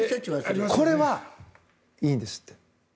これはいいんですって。